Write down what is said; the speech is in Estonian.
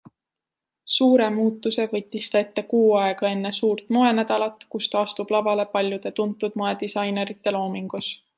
Suure muutuse võttis ta ette kuu aega enne suurt moenädalat, kus ta astub lavale paljude tuntud moedisainerite loomingus.